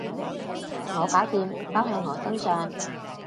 我搞掂，包喺我身上